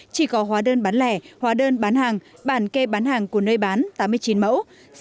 chỉ có hóa đơn bán lẻ hóa đơn bán hàng bản kê bán hàng của nơi bán tám mươi chín mẫu